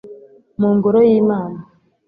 mungoro yimana